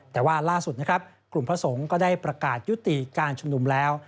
แต่ว่าล่าสุดนะครับกลุ่มพระสงฆ์ก็ได้ประกาศยุติการชุมนุมแล้ว